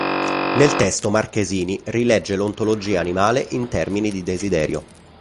Nel testo Marchesini rilegge l'ontologia animale in termini di "desiderio".